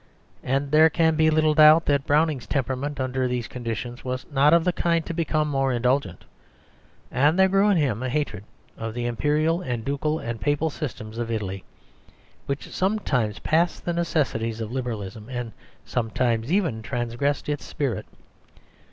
And there can be little doubt that Browning's temperament under these conditions was not of the kind to become more indulgent, and there grew in him a hatred of the Imperial and Ducal and Papal systems of Italy, which sometimes passed the necessities of Liberalism, and sometimes even transgressed its spirit.